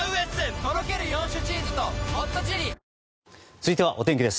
続いてはお天気です。